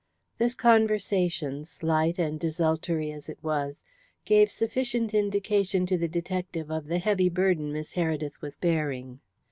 This conversation, slight and desultory as it was, gave sufficient indication to the detective of the heavy burden Miss Heredith was bearing.